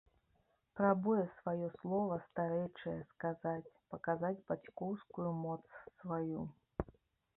Прабуе сваё слова старэчае сказаць, паказаць бацькоўскую моц сваю.